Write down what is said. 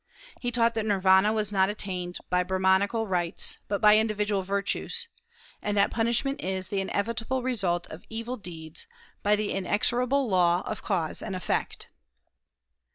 He taught that Nirvana was not attained by Brahmanical rites, but by individual virtues; and that punishment is the inevitable result of evil deeds by the inexorable law of cause and effect.